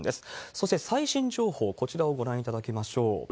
そして最新情報、こちらをご覧いただきましょう。